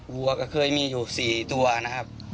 วัวก็เคยมีอยู่๔ตัวนะครับ